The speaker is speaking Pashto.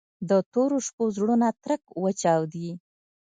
د تورو شپو زړونه ترک وچاودي